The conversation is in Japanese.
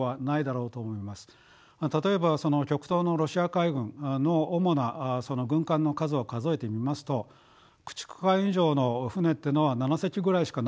例えばその極東のロシア海軍の主な軍艦の数を数えてみますと駆逐艦以上の船っていうのは７隻ぐらいしかないわけですよ。